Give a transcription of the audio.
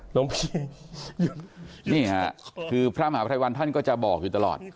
หลวงพี่นี่ค่ะคือพระมหาภัยวันท่านก็จะบอกอยู่ตลอด